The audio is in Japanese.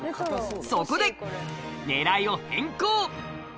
そこでねらいを変更。